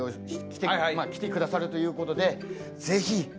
来てくださるということでぜひやはりここは。